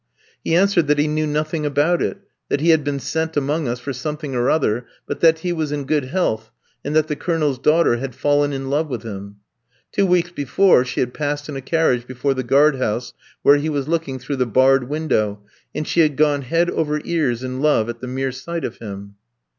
He answered that he knew nothing about it; that he had been sent among us for something or other; but that he was in good health, and that the Colonel's daughter had fallen in love with him. Two weeks before she had passed in a carriage before the guard house, where he was looking through the barred window, and she had gone head over ears in love at the mere sight of him.